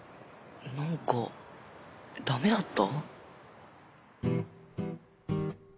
なんかダメだった？